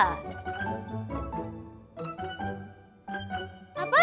atau enggak ekra